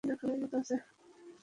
বাড়ির সামনে নদী না- খালের মত আছে।